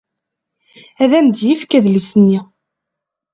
Ad am-d-yefk adlis-nni.